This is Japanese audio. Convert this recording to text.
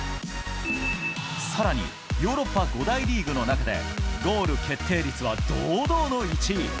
さらに、ヨーロッパ５大リーグの中でゴール決定率は堂々の１位。